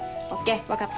分かった。